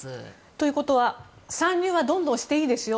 ということは参入はどんどんしていいですよ